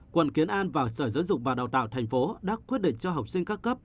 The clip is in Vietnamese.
quận kiến an và sở giáo dục và đào tạo thành phố đã quyết định cho học sinh các cấp